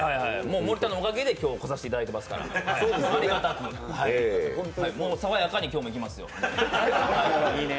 森田さんのおかげで今日は来させていただいていますから、さわやかに今日もいきますよ。